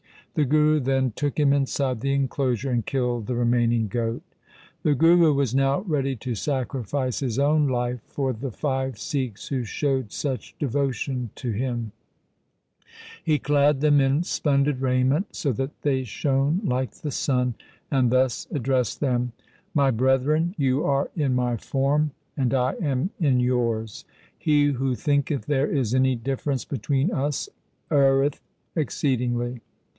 The Guru then took him inside the enclosure and killed the remaining goat. The Guru was now ready to sacrifice his own life for the five Sikhs who showed such devotion to him. LIFE OF GURU GOBIND SINGH He clad them in splendid raiment, so that they shone like the sun, and thus addressed them :' My brethren, you are in my form and I am in yours. He who thinketh there is any difference between us erreth exceedingly.'